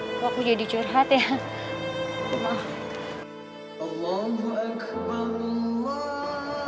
eh waktu jadi curhat ya maaf